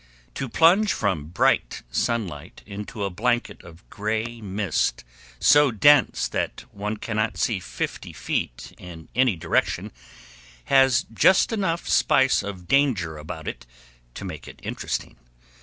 To plunge from bright sunlight into a blanket of gray mist so dense that one cannot see fifty feet in any direction, has just enough spice of danger about it to make it interesting.